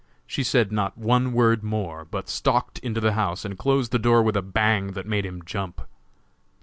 She said not one word more, but stalked into the house and closed the door with a bang that made him jump.